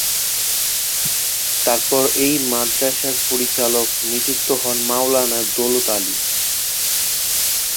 তারপর এই মাদ্রাসার পরিচালক নিযুক্ত হন মাওলানা দৌলত আলী।